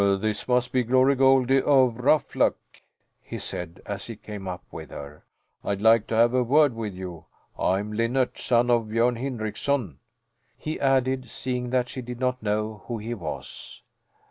"This must be Glory Goldie of Ruffluck," he said as he came up with her. "I'd like to have a word with you. I'm Linnart, son of Björn Hindrickson," he added, seeing that she did not know who he was.